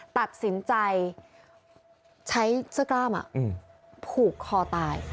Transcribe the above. ตัดสินใจใช้เสื้อกล้ามผูกคอตาย